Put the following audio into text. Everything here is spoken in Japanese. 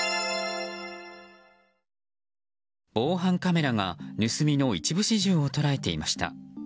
防犯カメラが盗みの一部始終を捉えていました。